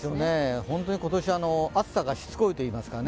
本当に今年、暑さがしつこいといいますかね。